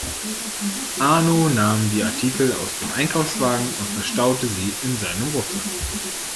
Arno nahm die Artikel aus dem Einkaufswagen und verstaute sie in seinem Rucksack.